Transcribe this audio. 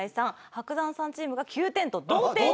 伯山さんチームが９点と同点に。